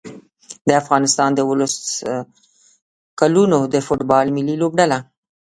د افغانستان د اولس کلونو د فوټبال ملي لوبډله